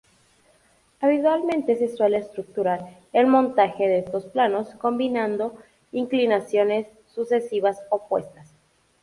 Habitualmente, se suele estructurar el montaje de estos planos combinando inclinaciones sucesivas opuestas.